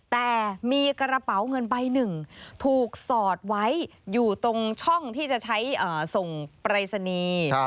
แต่มีกระเป๋าเงินใบหนึ่งถูกสอดไว้อยู่ตรงช่องที่จะใช้ส่งปรายศนีย์